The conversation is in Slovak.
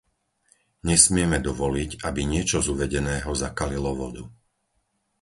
Nesmieme dovoliť, aby niečo z uvedeného zakalilo vodu!